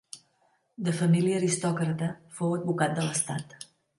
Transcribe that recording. De família aristòcrata, fou advocat de l'estat.